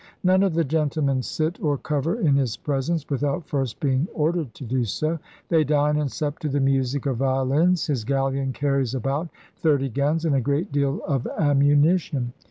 None of the gentlemen sit or cover in his presence without first being or dered to do so. They dine and sup to the music of violins. His galleon carries about thirty guns and a great deal of ammunition.'